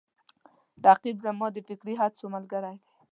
رقیب زما د فکري هڅو ملګری دی